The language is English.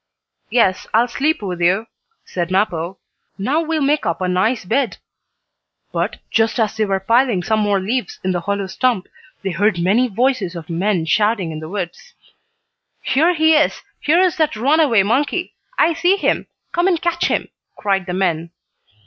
"Yes, I'll sleep with you," said Mappo. "Now we'll make up a nice bed." But, just as they were piling some more leaves in the hollow stump, they heard many voices of men shouting in the woods. "Here he is! Here is that runaway monkey! I see him! Come and catch him!" cried the men.